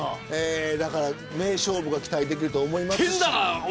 名勝負が期待できると思います。